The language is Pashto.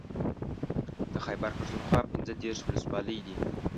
د خېبر پښتونخوا پنځه دېرش ولسوالۍ دي